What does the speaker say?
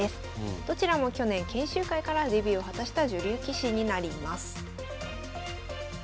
どちらも去年研修会からデビューを果たした女流棋士になります。